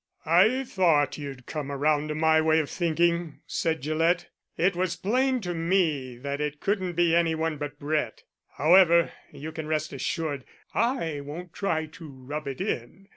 "I thought you'd come around to my way of thinking," said Gillett. "It was plain to me that it couldn't be anyone but Brett. However, you can rest assured I won't try to rub it in.